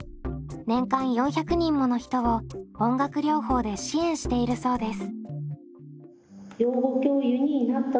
年間４００人もの人を音楽療法で支援しているそうです。